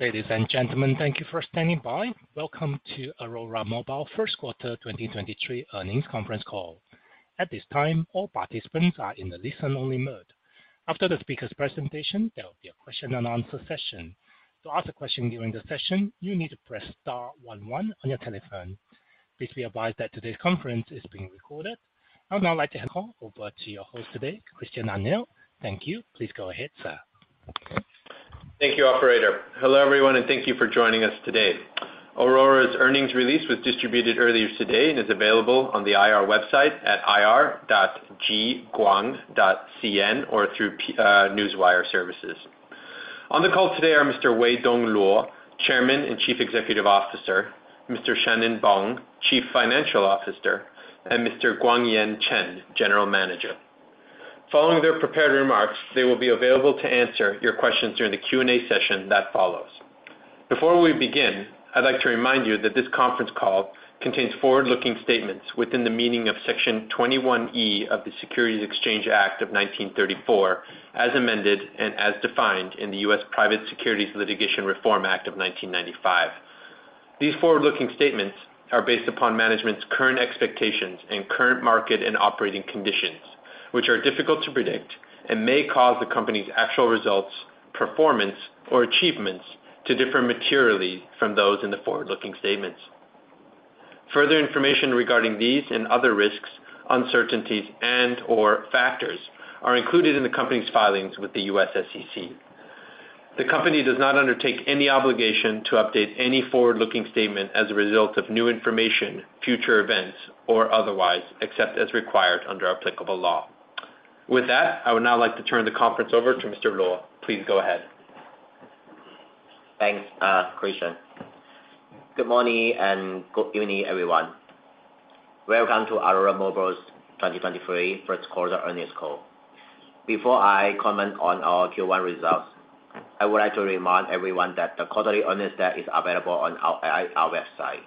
Ladies and gentlemen, thank you for standing by. Welcome to Aurora Mobile first quarter 2023 earnings conference call. At this time, all participants are in the listen-only mode. After the speaker's presentation, there will be a question-and-answer session. To ask a question during the session, you need to press Star one one on your telephone. Please be advised that today's conference is being recorded. I would now like to hand the call over to your host today, Christian Arnell. Thank you. Please go ahead, sir. Thank you, operator. Hello, everyone, thank you for joining us today. Aurora's earnings release was distributed earlier today and is available on the IR website at ir.jiguang.cn or through newswire services. On the call today are Mr. Weidong Luo, Chairman and Chief Executive Officer, Mr. Shan-Nen Bong, Chief Financial Officer, and Mr. Guangyan Chen, General Manager. Following their prepared remarks, they will be available to answer your questions during the Q&A session that follows. Before we begin, I'd like to remind you that this conference call contains forward-looking statements within the meaning of Section 21E of the Securities Exchange Act of 1934, as amended and as defined in the U.S. Private Securities Litigation Reform Act of 1995. These forward-looking statements are based upon management's current expectations and current market and operating conditions, which are difficult to predict and may cause the company's actual results, performance, or achievements to differ materially from those in the forward-looking statements. Further information regarding these and other risks, uncertainties, and/or factors are included in the company's filings with the U.S. SEC. The company does not undertake any obligation to update any forward-looking statement as a result of new information, future events, or otherwise, except as required under applicable law. With that, I would now like to turn the conference over to Mr. Luo. Please go ahead. Thanks, Christian. Good morning and good evening, everyone. Welcome to Aurora Mobile's 2023 first quarter earnings call. Before I comment on our Q1 results, I would like to remind everyone that the quarterly earnings deck is available on our website.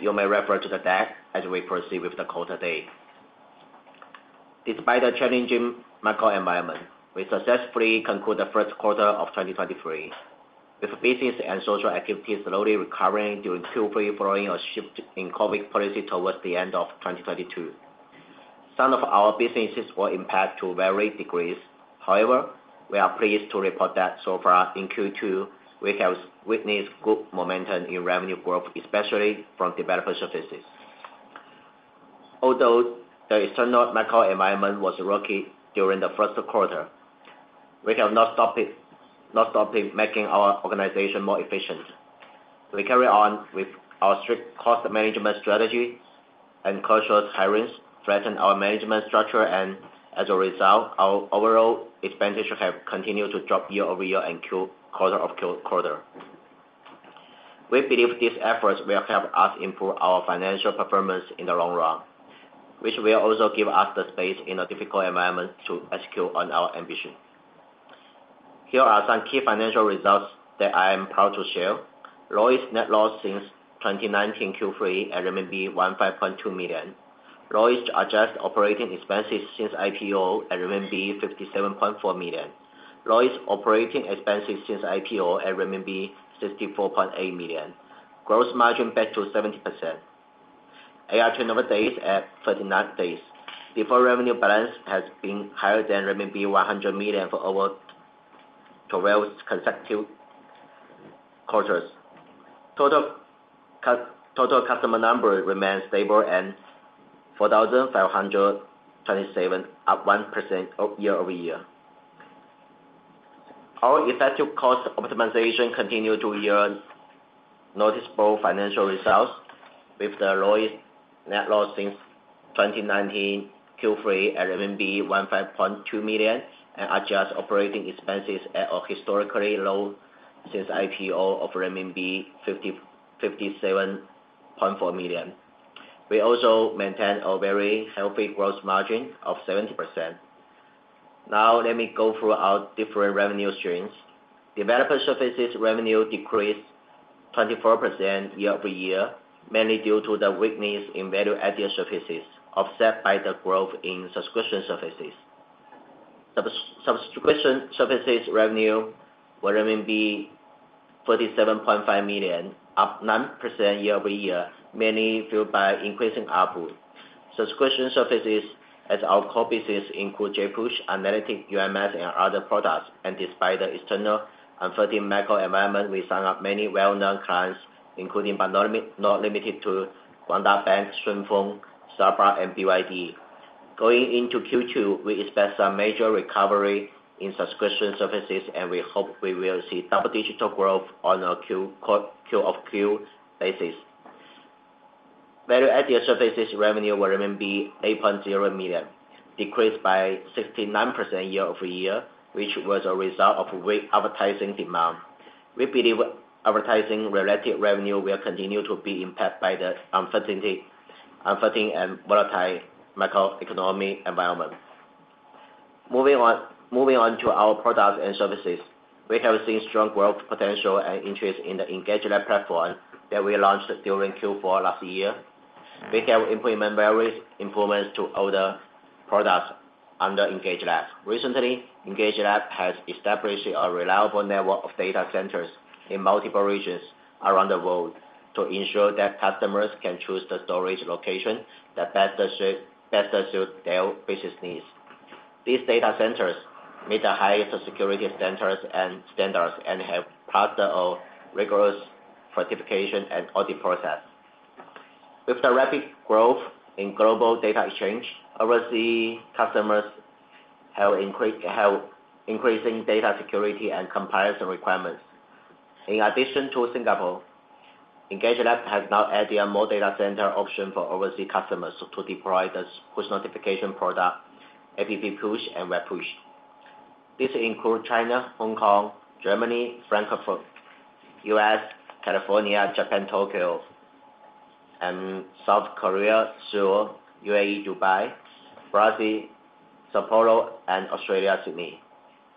You may refer to the deck as we proceed with the call today. Despite the challenging macro environment, we successfully conclude the first quarter of 2023, with business and social activities slowly recovering during Q3, following a shift in COVID policy towards the end of 2022. Some of our businesses were impacted to varying degrees. However, we are pleased to report that so far in Q2, we have witnessed good momentum in revenue growth, especially from developer services. Although the external macro environment was rocky during the first quarter, we have not stopping making our organization more efficient. We carry on with our strict cost management strategy and cautious hirings, flatten our management structure, as a result, our overall expenditure have continued to drop year-over-year and quarter-over-quarter. We believe these efforts will help us improve our financial performance in the long run, which will also give us the space in a difficult environment to execute on our ambition. Here are some key financial results that I am proud to share. Lowest net loss since 2019 Q3 at RMB 15.2 million. Lowest adjusted operating expenses since IPO at RMB 57.4 million. Lowest operating expenses since IPO at RMB 64.8 million. Gross margin back to 70%. AR turnover days at 39 days. Deferred revenue balance has been higher than RMB 100 million for over 12 consecutive quarters. Total customer number remains stable and 4,527, up 1% year-over-year. Our effective cost optimization continued to yield noticeable financial results with the lowest net loss since 2019 Q3 at 15.2 million, and adjusted operating expenses at a historically low since IPO of RMB 57.4 million. We also maintain a very healthy growth margin of 70%. Let me go through our different revenue streams. Developer services revenue decreased 24% year-over-year, mainly due to the weakness in value-added services, offset by the growth in subscription services. subscription services revenue were 37.5 million, up 9% year-over-year, mainly fueled by increasing output. Subscription services as our core business include JPush, Analytics, UMS, and other products. Despite the external uncertain macro environment, we signed up many well-known clients, including but not limited to Guangda Bank, Shunfeng, Starbucks, and BYD. Going into Q2, we expect some major recovery in subscription services, and we hope we will see double-digit growth on a Q-o-Q. Value-added services revenue were 8.0 million, decreased by 69% year-over-year, which was a result of weak advertising demand. We believe advertising-related revenue will continue to be impacted by the uncertain and volatile macroeconomic environment. Moving on to our Products and Services, we have seen strong growth, potential and interest in the EngageLab platform that we launched during Q4 last year. We have implemented various improvements to all the products under EngageLab. Recently, EngageLab has established a reliable network of data centers in multiple regions around the world to ensure that customers can choose the storage location that best suit their business needs. These data centers meet the highest security centers and standards, and have passed a rigorous certification and audit process. With the rapid growth in global data exchange, overseas customers have increasing data security and compliance requirements. In addition to Singapore, EngageLab has now added a more data center option for overseas customers to deploy the push notification product, AppPush and WebPush. This include China, Hong Kong, Germany, Frankfurt, U.S., California, Japan, Tokyo, and South Korea, Seoul, UAE, Dubai, Brazil, São Paulo, and Australia, Sydney.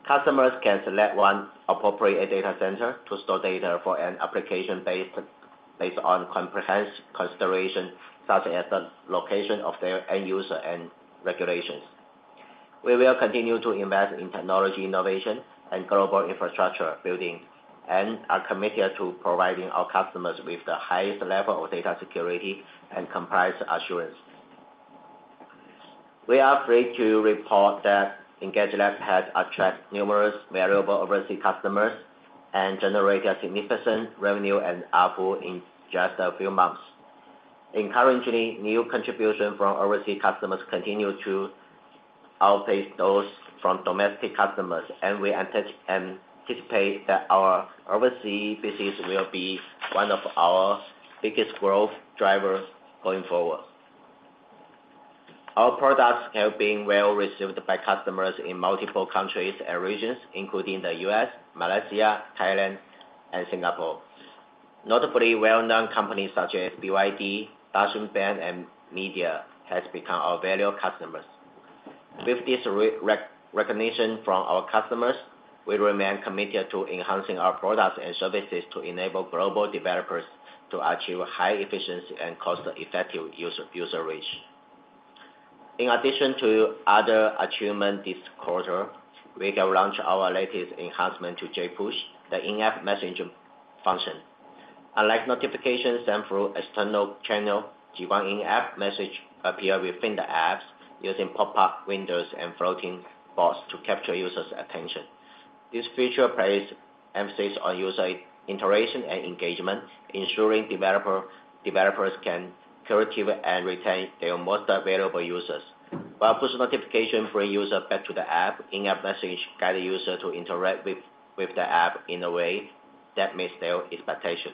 Customers can select one appropriate data center to store data for an application based on comprehensive consideration, such as the location of their end user and regulations. We will continue to invest in technology innovation and global infrastructure building, are committed to providing our customers with the highest level of data security and compliance assurance. We are pleased to report that EngageLab has attracted numerous valuable overseas customers and generated significant revenue and ARPU in just a few months. Encouragingly, new contribution from overseas customers continue to outpace those from domestic customers, we anticipate that our overseas business will be one of our biggest growth drivers going forward. Our products have been well received by customers in multiple countries and regions, including the U.S., Malaysia, Thailand, and Singapore. Notably, well-known companies such as BYD, Dah Sing Bank, and Midea, has become our valued customers. With this recognition from our customers, we remain committed to enhancing our products and services to enable global developers to achieve high efficiency and cost-effective user reach. In addition to other achievement this quarter, we have launched our latest enhancement to JPush, the in-app messaging function. Unlike notifications sent through external channel, Jiguang in-app message appear within the apps using pop-up windows and floating bars to capture users' attention. This feature place emphasis on user interaction and engagement, ensuring developers can curate and retain their most valuable users. While push notification bring user back to the app, in-app message guide the user to interact with the app in a way that meets their expectation.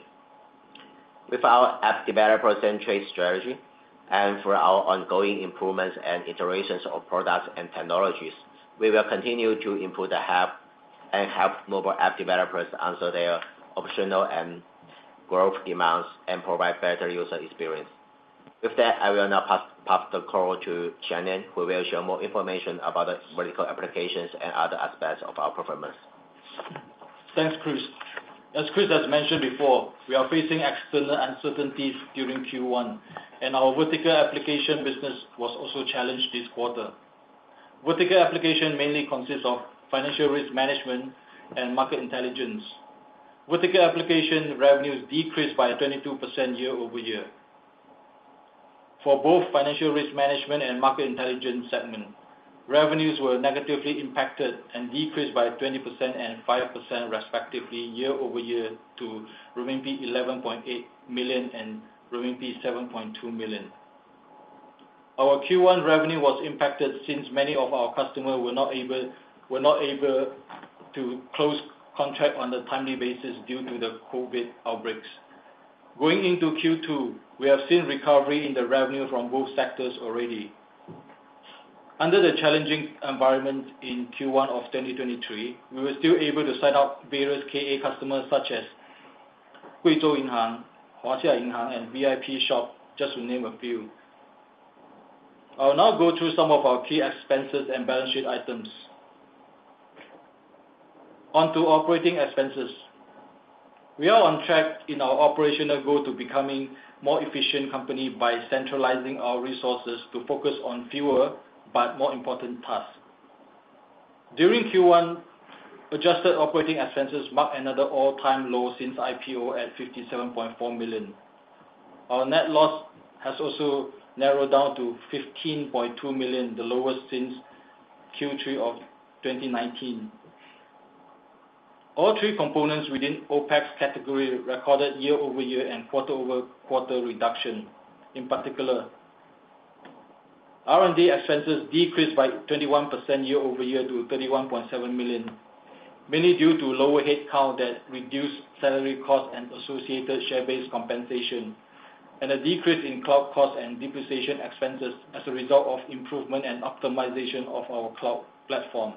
With our app developer-centric strategy, and through our ongoing improvements and iterations of products and technologies, we will continue to improve the app and help mobile app developers answer their operational and growth demands, and provide better user experience. With that, I will now pass the call to Shan-Nen, who will share more information about the vertical applications and other aspects of our performance. Thanks, Chris. As Chris has mentioned before, we are facing external uncertainties during Q1, and our vertical application business was also challenged this quarter. Vertical application mainly consists of financial risk management and market intelligence. Vertical application revenues decreased by 22% year-over-year. For both Financial Risk Management and Market Intelligence segment, revenues were negatively impacted and decreased by 20% and 5% respectively, year-over-year, to 11.8 million and 7.2 million. Our Q1 revenue was impacted since many of our customers were not able to close contract on a timely basis due to the COVID outbreaks. Going into Q2, we have seen recovery in the revenue from both sectors already. Under the challenging environment in Q1 of 2023, we were still able to sign up various KA customers such as Guizhou Bank, Huaxia Bank, and Vipshop, just to name a few. I'll now go through some of our key expenses and balance sheet items. On to operating expenses. We are on track in our operational goal to becoming more efficient company by centralizing our resources to focus on fewer but more important tasks. During Q1, adjusted operating expenses marked another all-time low since IPO at 57.4 million. Our net loss has also narrowed down to 15.2 million, the lowest since Q3 of 2019. All three components within OpEx category recorded year-over-year and quarter-over-quarter reduction. In particular, R&D expenses decreased by 21% year-over-year to 31.7 million, mainly due to lower headcount that reduced salary costs and associated share-based compensation, and a decrease in cloud costs and depreciation expenses as a result of improvement and optimization of our cloud platform.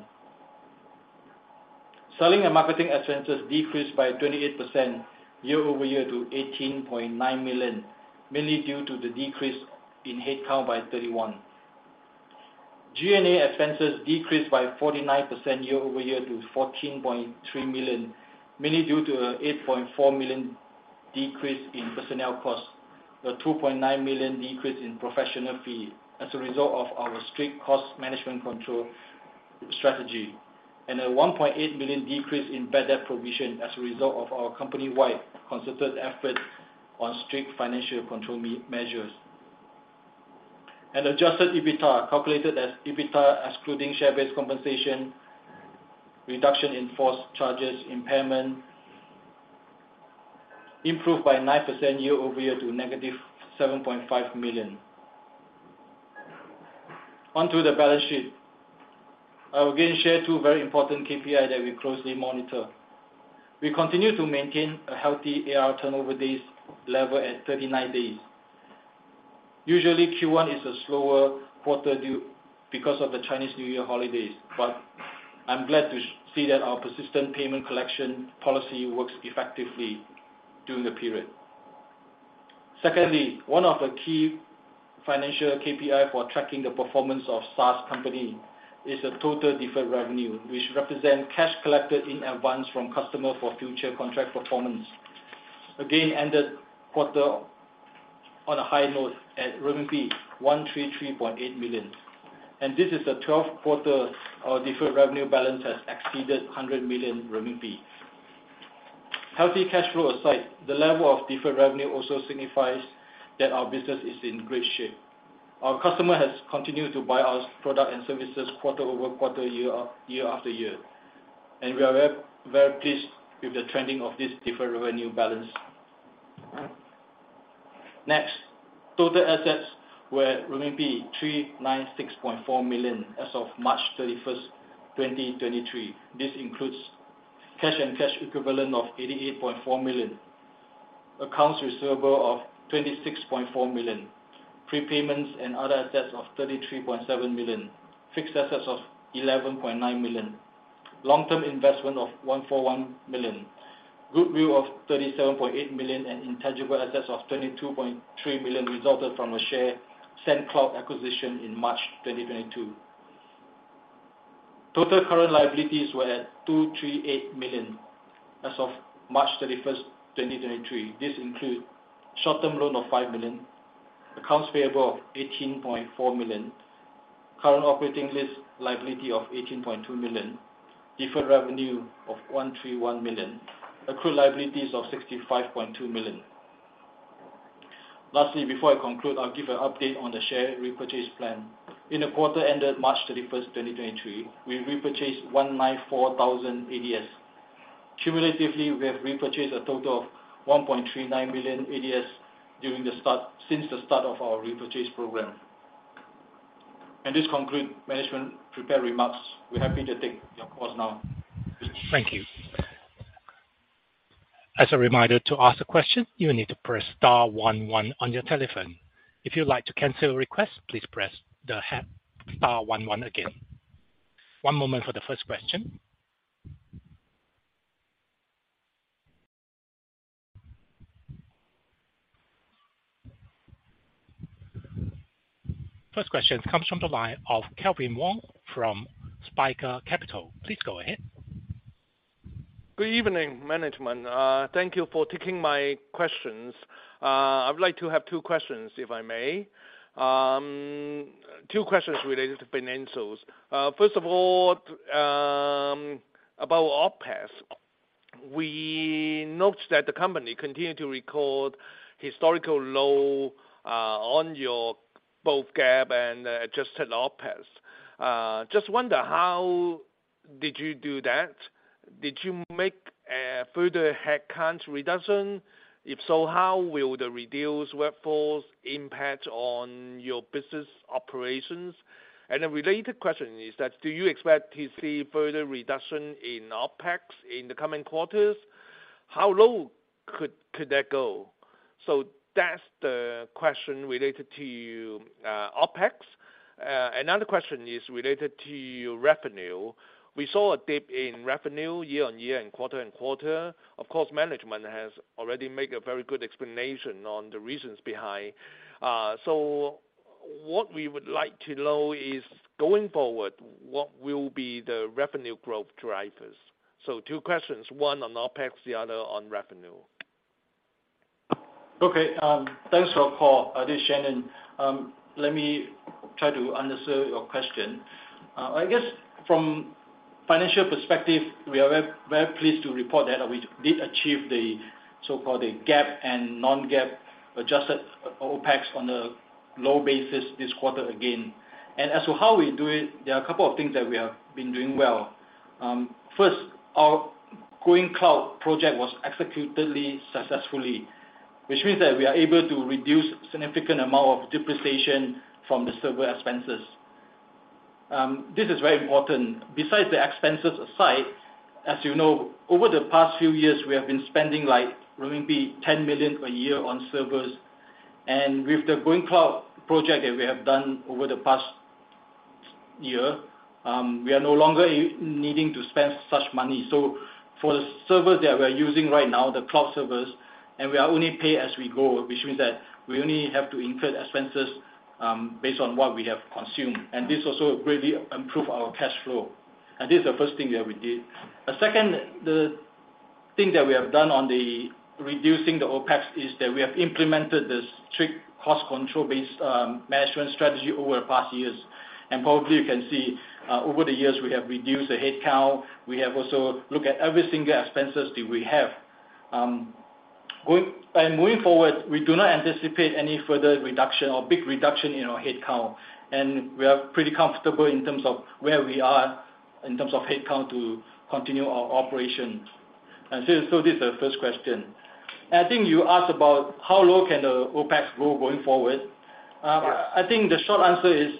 Selling and marketing expenses decreased by 28% year-over-year to 18.9 million, mainly due to the decrease in headcount by 31%. G&A expenses decreased by 49% year-over-year to 14.3 million, mainly due to a 8.4 million decrease in personnel costs. The 2.9 million decrease in professional fee as a result of our strict cost management control strategy, and a 1.8 million decrease in bad debt provision as a result of our company-wide concerted effort on strict financial control measures. Adjusted EBITDA, calculated as EBITDA, excluding share-based compensation, reduction in force charges, impairment, improved by 9% year-over-year to -7.5 million. On to the balance sheet. I will again share two very important KPI that we closely monitor. We continue to maintain a healthy AR turnover days level at 39 days. Usually, Q1 is a slower quarter because of the Chinese New Year holidays, I'm glad to see that our persistent payment collection policy works effectively during the period. Secondly, one of the key financial KPI for tracking the performance of SaaS company is a total deferred revenue, which represent cash collected in advance from customer for future contract performance. Again, ended quarter on a high note at RMB 133.8 million, this is the twelfth quarter our deferred revenue balance has exceeded 100 million RMB. Healthy cash flow aside, the level of deferred revenue also signifies that our business is in great shape. Our customer has continued to buy our product and services quarter-over-quarter, year after year, we are very pleased with the trending of this deferred revenue balance. Total assets were 396.4 million as of March 31st, 2023. This includes cash and cash equivalent of 88.4 million, accounts receivable of 26.4 million, prepayments and other assets of 33.7 million, fixed assets of 11.9 million, long-term investment of 141 million, goodwill of 37.8 million, and intangible assets of 22.3 million resulted from a SendCloud acquisition in March 2022. Total current liabilities were at 238 million as of March 31st, 2023. This includes short-term loan of 5 million, accounts payable of 18.4 million, current operating lease liability of 18.2 million, deferred revenue of 131 million, accrued liabilities of 65.2 million. Before I conclude, I'll give an update on the share repurchase plan. In the quarter ended March 31st, 2023, we repurchased 194,000 ADSs. Cumulatively, we have repurchased a total of 1.39 million ADSs since the start of our repurchase program. This conclude management prepared remarks. We're happy to take your calls now. Thank you. As a reminder, to ask a question, you will need to press Star one one on your telephone. If you'd like to cancel a request, please press Star one one again. One moment for the first question. First question comes from the line of Calvin Wong from Spica Capital. Please go ahead. Good evening, management. Thank you for taking my questions. I would like to have two questions, if I may. 2 questions related to financials. First of all, about OpEx. We noticed that the company continued to record historical low on your both GAAP and adjusted OpEx. Just wonder, how did you do that? Did you make a further headcount reduction? If so, how will the reduced workforce impact on your business operations? A related question is that, do you expect to see further reduction in OpEx in the coming quarters? How low could that go? That's the question related to OpEx. Another question is related to your revenue. We saw a dip in revenue year-on-year and quarter-on-quarter. Of course, management has already made a very good explanation on the reasons behind. What we would like to know is, going forward, what will be the revenue growth drivers? 2 questions, 1 on OpEx, the other on revenue. Okay thanks for your call, this Shan-Nen. Let me try to answer your question. I guess from financial perspective, we are very, very pleased to report that we did achieve the so-called GAAP and non-GAAP adjusted OpEx on a low basis this quarter again. As to how we do it, there are a couple of things that we have been doing well. First, our going cloud project was executed successfully, which means that we are able to reduce significant amount of depreciation from the server expenses. This is very important. Besides the expenses aside, as you know, over the past few years, we have been spending, like, 10 million per year on servers. With the going cloud project that we have done over the past year, we are no longer needing to spend such money. For the servers that we are using right now, the cloud servers, and we are only pay as we go, which means that we only have to incur expenses, based on what we have consumed. This also greatly improve our cash flow, and this is the first thing that we did. The second, the thing that we have done on the reducing the OpEx, is that we have implemented this strict cost control-based, management strategy over the past years. Probably you can see, over the years, we have reduced the headcount. We have also looked at every single expenses that we have. Moving forward, we do not anticipate any further reduction or big reduction in our headcount, and we are pretty comfortable in terms of where we are, in terms of headcount, to continue our operations. So this is the first question. I think you asked about how low can the OpEx go going forward? Yes. I think the short answer is,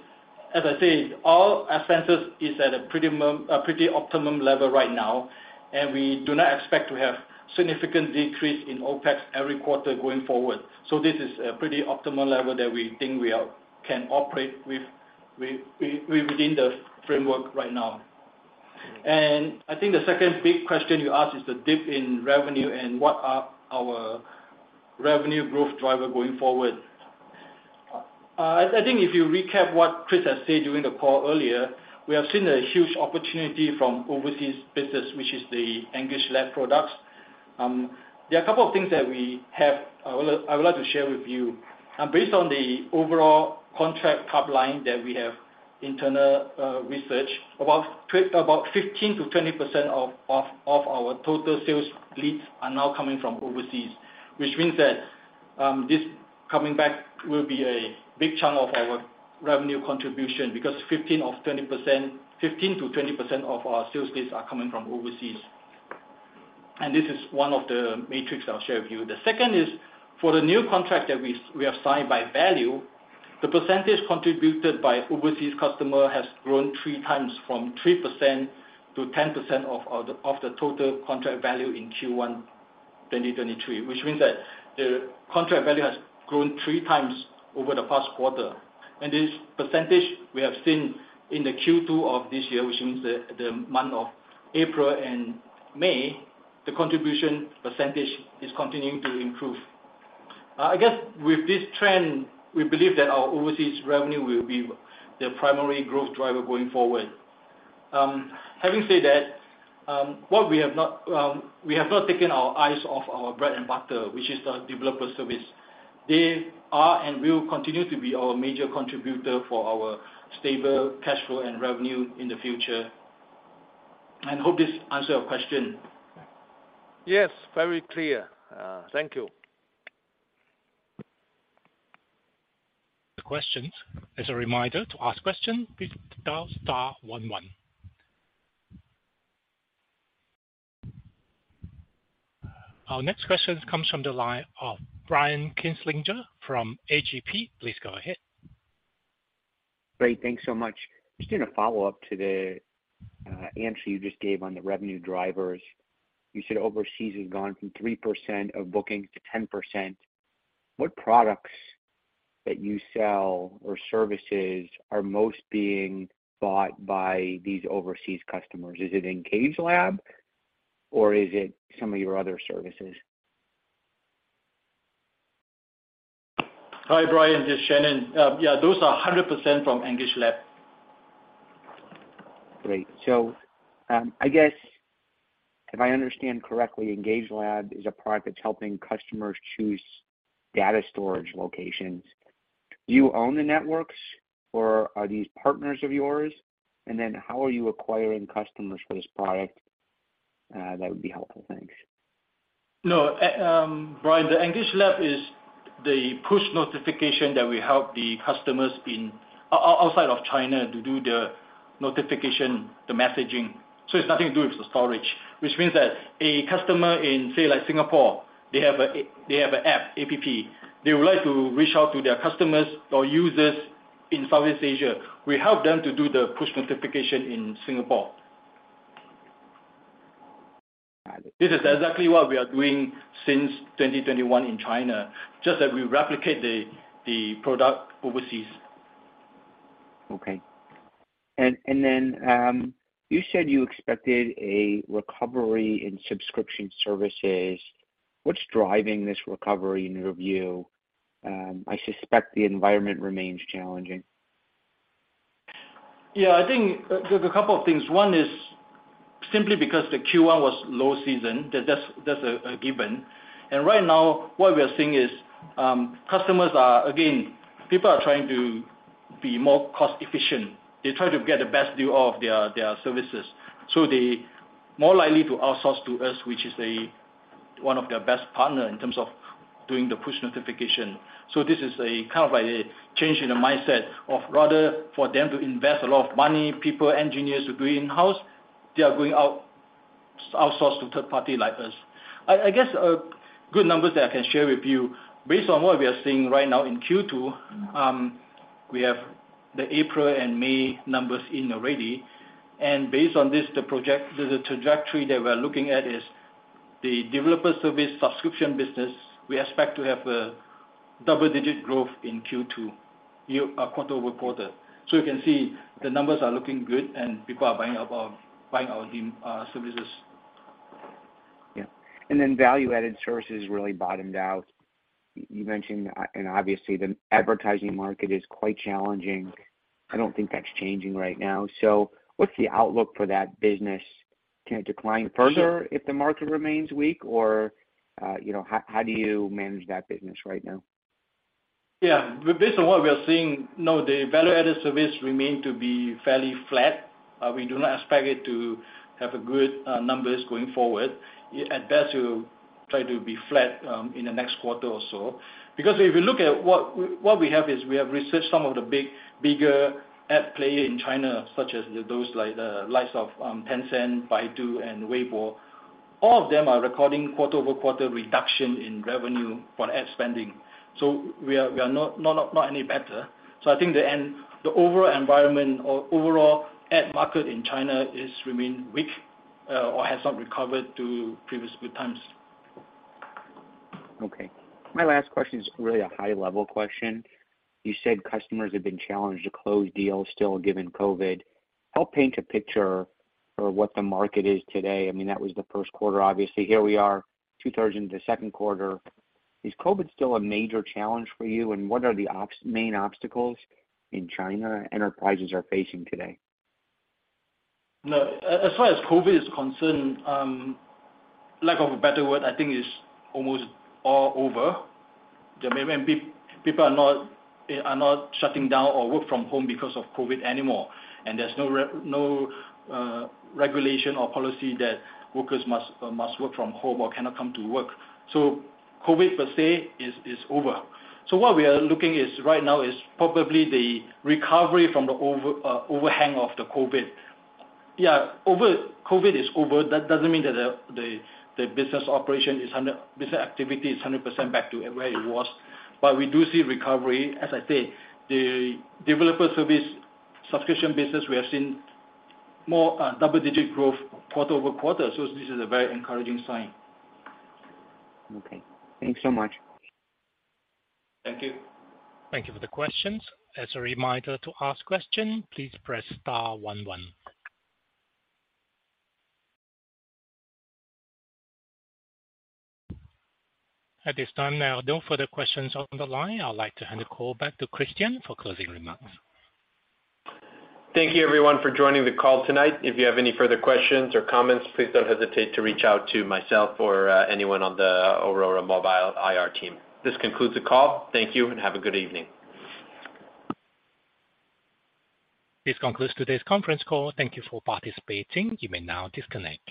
as I said, all expenses is at a pretty optimum level right now, and we do not expect to have significant decrease in OpEx every quarter going forward. This is a pretty optimal level that we think we are, can operate with, within the framework right now. I think the second big question you asked is the dip in revenue and what are our revenue growth driver going forward. I think if you recap what Chris has said during the call earlier, we have seen a huge opportunity from overseas business, which is the EngageLab products. There are a couple of things that we have, I would like to share with you. Based on the overall contract top line that we have internal research, about 15%-20% of our total sales leads are now coming from overseas. Which means that this coming back will be a big chunk of our revenue contribution, because 15%-20% of our sales leads are coming from overseas. This is one of the metrics I'll share with you. The second is, for the new contract that we have signed by value, the percentage contributed by overseas customer has grown 3x from 3%-10% of the total contract value in Q1 2023. Which means that the contract value has grown 3 times over the past quarter. This percentage we have seen in the Q2 of this year, which means that the month of April and May, the contribution percentage is continuing to improve. I guess with this trend, we believe that our overseas revenue will be the primary growth driver going forward. Having said that, what we have not, we have not taken our eyes off our bread and butter, which is the developer service. They are and will continue to be our major contributor for our stable cash flow and revenue in the future. I hope this answer your question. Yes, very clear. Thank you. Questions. As a reminder, to ask question, please dial star one one. Our next question comes from the line of Brian Kinstlinger from AGP. Please go ahead. Great. Thanks so much. Just in a follow-up to the answer you just gave on the revenue drivers, you said overseas has gone from 3% of bookings to 10%. What products that you sell or services are most being bought by these overseas customers? Is it EngageLab, or is it some of your other services? Hi, Brian, this Shan-Nen. Yeah, those are 100% from EngageLab. Great. I guess if I understand correctly, EngageLab is a product that's helping customers choose data storage locations. Do you own the networks or are these partners of yours? How are you acquiring customers for this product? That would be helpful. Thanks. Brian, the EngageLab is the push notification that we help the customers outside of China to do the notification, the messaging. It's nothing to do with the storage. Means that a customer in, say, like Singapore, they have an app, APP. They would like to reach out to their customers or users in Southeast Asia. We help them to do the push notification in Singapore. Got it. This is exactly what we are doing since 2021 in China, just that we replicate the product overseas. Okay. Then, you said you expected a recovery in subscription services. What's driving this recovery, in your view? I suspect the environment remains challenging. Yeah, I think there's a couple of things. One is simply because the Q1 was low season. That's a given. Right now, what we are seeing is, Again, people are trying to be more cost efficient. They try to get the best deal of their services, so they more likely to outsource to us, which is a one of their best partner in terms of doing the push notification. This is a kind of a change in the mindset of rather for them to invest a lot of money, people, engineers to do in-house, they are going outsource to third party like us. I guess a good numbers that I can share with you, based on what we are seeing right now in Q2, we have the April and May numbers in already, based on this, the project, the trajectory that we're looking at is the developer service subscription business. We expect to have double-digit growth in Q2, year, quarter-over-quarter. You can see the numbers are looking good, people are buying our game services. Yeah. Value-added services really bottomed out. You mentioned, and obviously, the advertising market is quite challenging. I don't think that's changing right now. What's the outlook for that business? Can it decline further? Sure. If the market remains weak, or, you know, how do you manage that business right now? Yeah, based on what we are seeing, no, the value-added service remain to be fairly flat. We do not expect it to have a good numbers going forward. At best, it will try to be flat in the next quarter or so. If you look at what we have is, we have researched some of the big, bigger ad player in China, such as those like likes of Tencent, Baidu, and Weibo. All of them are recording quarter-over-quarter reduction in revenue on ad spending. We are not any better. I think the overall environment or overall ad market in China is remain weak or has not recovered to previous good times. Okay. My last question is really a high-level question. You said customers have been challenged to close deals still, given COVID. Help paint a picture of what the market is today. I mean, that was the first quarter, obviously. Here we are, 2/3 into the second quarter. Is COVID still a major challenge for you? What are the main obstacles in China enterprises are facing today? No, as far as COVID is concerned, lack of a better word, I think it's almost all over. The main, and people are not, are not shutting down or work from home because of COVID anymore, and there's no regulation or policy that workers must work from home or cannot come to work. COVID per se, is over. What we are looking is, right now is probably the recovery from the overhang of the COVID. Yeah, COVID is over, that doesn't mean that the business activity is 100% back to where it was. We do see recovery. As I say, the developer service subscription business, we have seen more double-digit growth quarter-over-quarter, this is a very encouraging sign. Okay. Thanks so much. Thank you. Thank you for the questions. As a reminder, to ask question, please press Star one one. At this time, there are no further questions on the line. I'd like to hand the call back to Christian for closing remarks. Thank you, everyone, for joining the call tonight. If you have any further questions or comments, please don't hesitate to reach out to myself or anyone on the Aurora Mobile IR team. This concludes the call. Thank you. Have a good evening. This concludes today's conference call. Thank you for participating. You may now disconnect.